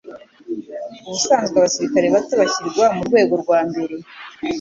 Ubusanzwe abasirikare bato bashyirwa mu rwego rwa mbere